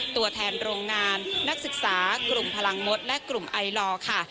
ตัวแทนโรงงานนักศึกษากลุ่มพลังมดและกลุ่มไอลอร์ค่ะ